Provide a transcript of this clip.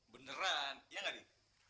beneran iya gak di